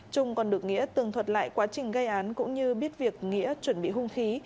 trung còn được nghĩa tường thuật lại quá trình gây án cũng như biết việc nghĩa chuẩn bị hung khí